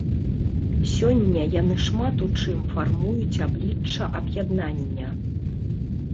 Сёння яны шмат у чым фармуюць аблічча аб'яднання.